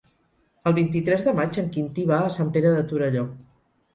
El vint-i-tres de maig en Quintí va a Sant Pere de Torelló.